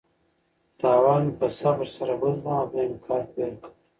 تاوان مې په صبر سره وزغمه او بیا مې کار پیل کړ.